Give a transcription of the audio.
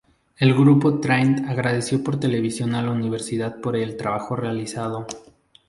El grupo Train agradeció por televisión a la Universidad por el trabajo realizado.